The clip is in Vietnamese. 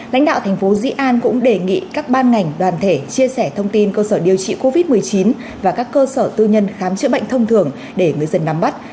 lãnh đạo thành phố dĩ an cũng đề nghị các ban ngành đoàn thể chia sẻ thông tin cơ sở điều trị covid một mươi chín và các cơ sở tư nhân khám chữa bệnh thông thường để người dân nắm bắt